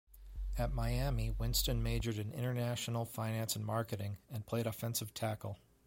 At Miami, Winston majored in International Finance and Marketing and played offensive tackle.